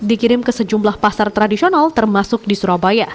dikirim ke sejumlah pasar tradisional termasuk di surabaya